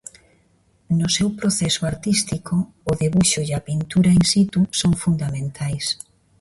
No seu proceso artístico o debuxo e a pintura in situ son fundamentais.